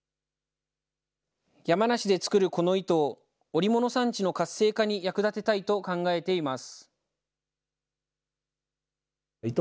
山梨で作るこの糸を織物産地の活性化に役立てたいと考えています。